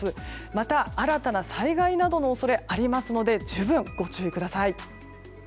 また新たな災害などの恐れがありますので十分、ご注意ください。